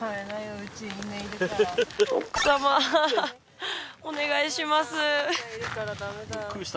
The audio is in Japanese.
奥様お願いします。